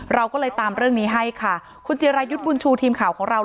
เราก็เลยตามเรื่องนี้ให้ค่ะคุณจิรายุทธ์บุญชูทีมข่าวของเรา